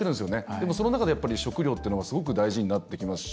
でも、その中で食料というのはすごく大事になってきますし。